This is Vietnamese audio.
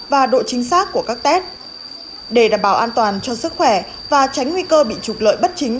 và độ chính xác của các tết để đảm bảo an toàn cho sức khỏe và tránh nguy cơ bị trục lợi bất chính